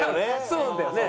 そうだよね？